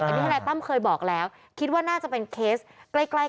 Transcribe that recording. อันนี้ทนายตั้มเคยบอกแล้วคิดว่าน่าจะเป็นเคสใกล้ใกล้